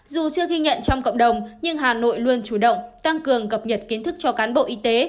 dù chưa ghi nhận trong cộng đồng nhưng hà nội luôn chủ động tăng cường cập nhật kiến thức cho cán bộ y tế